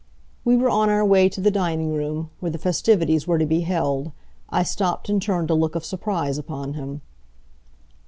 We were on our way to the dining room, where the festivities were to be held. I stopped and turned a look of surprise upon him.